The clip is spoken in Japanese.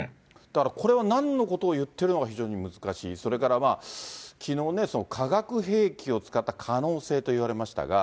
だからこれはなんのことを言ってるのか、非常に難しい、それからきのう、化学兵器を使った可能性といわれてましたが。